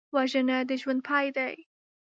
وژنه د ژوند پای دی